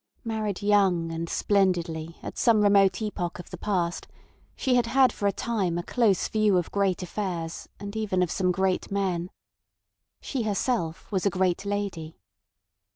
Married young and splendidly at some remote epoch of the past, she had had for a time a close view of great affairs and even of some great men. She herself was a great lady.